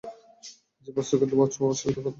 যে বস্তুকে ধরা-ছোঁয়া যায় সে বস্তু পদার্থ।